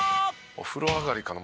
「お風呂上がりかな？